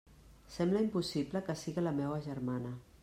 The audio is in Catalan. Sembla impossible que siga la meua germana!